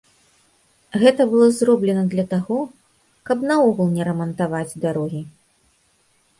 Гэта было зроблена для таго, каб наогул не рамантаваць дарогі.